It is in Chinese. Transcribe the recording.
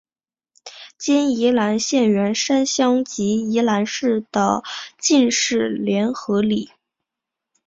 今宜兰县员山乡及宜兰市的进士联合里。